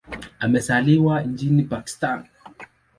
Amezaliwa nchini Pakistan.